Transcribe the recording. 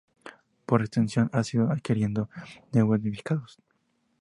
Por extensión, ha ido adquiriendo nuevos significados.